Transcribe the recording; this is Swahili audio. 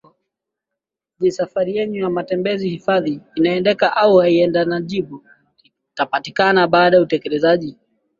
Je safari yenu ya matembezi hifadhini inaendeka au haiendaniJibu litapatikana baada ya utekelezaji